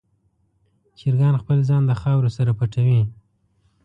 چرګان خپل ځان د خاورو سره پټوي.